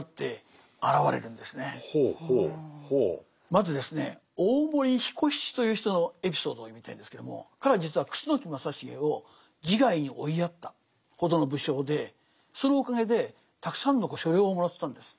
まずですね大森彦七という人のエピソードを読みたいんですけども彼は実は楠木正成を自害に追いやったほどの武将でそのおかげでたくさんの所領をもらってたんです。